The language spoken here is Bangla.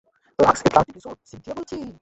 লাক্স এটলান্টিক রিসর্ট, সিনথিয়া বলছি।